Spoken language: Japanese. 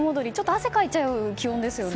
汗をかいちゃう気温ですよね。